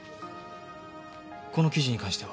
この記事に関しては？